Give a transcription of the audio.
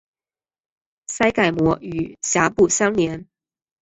腮盖膜与峡部相连。